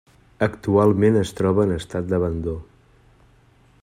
Actualment es troba en estat d'abandó.